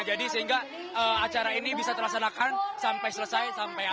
jadi sehingga acara ini bisa terlaksanakan sampai selesai sampai aman